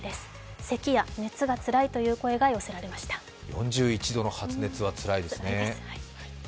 ４１度の発熱はつらいですね。